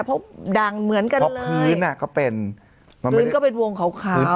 เพราะดังเหมือนกันเลยพื้นอ่ะก็เป็นพื้นก็เป็นวงขาวขาว